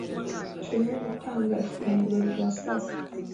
Turimo gutanga ifunguro rya saa sita